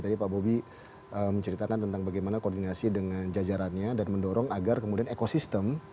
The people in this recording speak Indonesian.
tadi pak bobi menceritakan tentang bagaimana koordinasi dengan jajarannya dan mendorong agar kemudian ekosistem